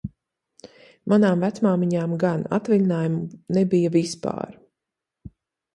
Manām vecmāmiņām gan atvaļinājumu nebija vispār.